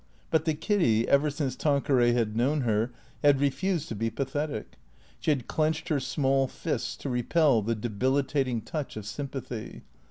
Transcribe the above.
But the Kiddy, ever since Tanqueray had known her, had re fused to be pathetic; she had clenched her small fists to repel the debilitating touch of sympathy.